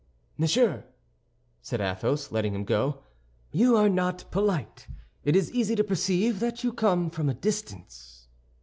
"Monsieur," said Athos, letting him go, "you are not polite; it is easy to perceive that you come from a distance."